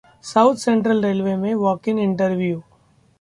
South Central railway में walk in interview